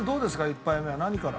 １杯目は何から？